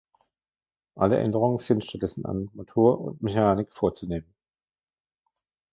Alle Änderungen sind stattdessen an Motor und Mechanik vorzunehmen.